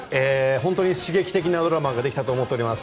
本当に刺激的なドラマができたと思っています。